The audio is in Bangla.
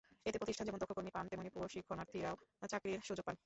এতে প্রতিষ্ঠান যেমন দক্ষ কর্মী পান তেমনি প্রশিক্ষণার্থীরাও চাকরির সুযোগ পান।